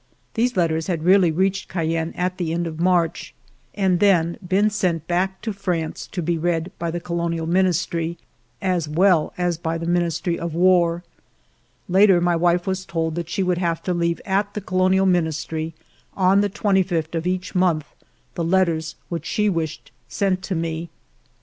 These letters had really reached Cayenne at the end of March, and then been sent back to France to be read by the Colonial Minis try as well as by the Ministry of War. Later my wife was told that she would have to leave at ALFRED DREYFUS 141 the Colonial Ministry, on the 25th of each month, the letters which she wished sent to me.